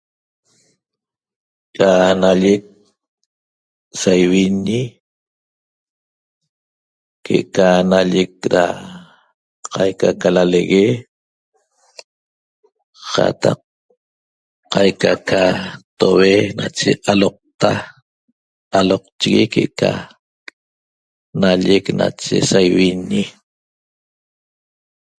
Na nallec saiviñi que'eca nallec ra qaica ca lalegue qataq qaica ca toue nache aloqta aloqchigui que'eca nallec nache saiviñi